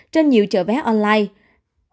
trên nhiều chợ vé online